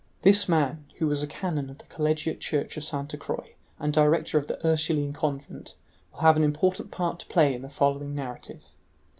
This man, who was a canon of the collegiate church of Sainte Croix and director of the Ursuline convent, will have an important part to play in the following narrative.